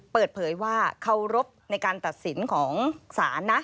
เปิดเผยว่าเคารพในการตัดสินของศาลนะ